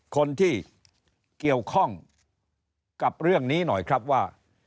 คนที่เกี่ยวข้องกับเรื่องนี้หน่อยครับว่า